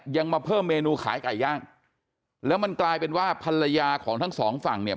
มาเพิ่มเมนูขายไก่ย่างแล้วมันกลายเป็นว่าภรรยาของทั้งสองฝั่งเนี่ย